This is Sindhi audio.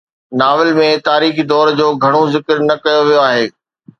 ناول ۾ تاريخي دور جو گهڻو ذڪر نه ڪيو ويو آهي